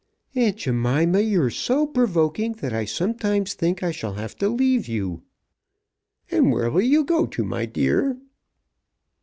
"Aunt Jemima, you're so provoking that I sometimes think I shall have to leave you." "Where will you go to, my dear?"